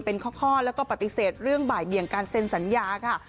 เป็นข้อแล้วก็ปฏิเสธเรื่องบ่ายเบี่ยงการเซ็นสัญญาค่ะ